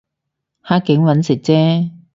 黑警搵食啫